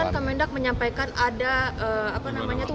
kan kamendak menyampaikan ada apa namanya tuh